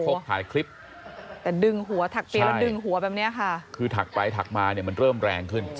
ถ่ายคลิปแต่ดึงหัวถักเปียแล้วดึงหัวแบบนี้ค่ะคือถักไปถักมาเนี่ยมันเริ่มแรงขึ้น